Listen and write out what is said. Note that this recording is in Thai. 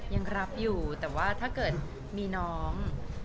ยังรับอยู่แต่ว่าถ้าเกิดมีน้อง